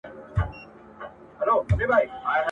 هلته مي هم نوي جامې په تن کي نه درلودې ..